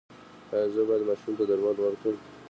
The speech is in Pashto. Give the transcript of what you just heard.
ایا زه باید ماشوم ته درمل ورکړم؟